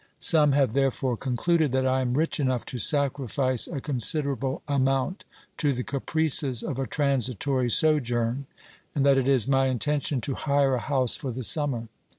Some have therefore concluded that I am rich enough to sacrifice a considerable amount to the caprices of a transitory sojourn, and that it is my intention to hire a house for the summer.